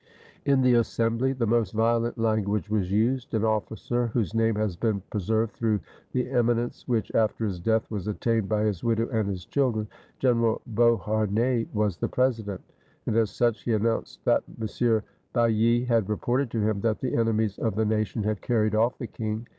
In the assembly the most violent lan guage was used. An officer, whose name has been pre served through the eminence which after his death was attained by his widow and his children. General Beau harnais, was the president. And, as such, he announced that M. Bailly had reported to him that the enemies of the nation had carried off the king.